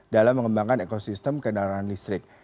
dalam mengembangkan ekosistem kendaraan listrik